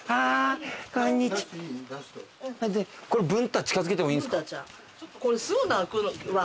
これ文太近づけてもいいですか？